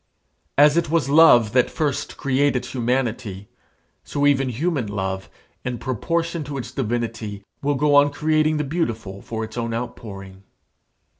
As it was love that first created humanity, so even human love, in proportion to its divinity, will go on creating the beautiful for its own outpouring.